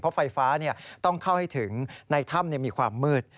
เพราะไฟฟ้าต้องเข้าให้ถึงในถ้ำมีความมืด